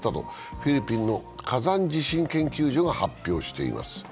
フィリピンの火山地震研究所が発表しています。